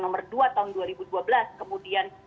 nomor dua tahun dua ribu dua belas kemudian